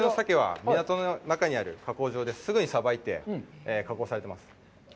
取れたての鮭は港の中にある加工場ですぐにさばいて加工されてます。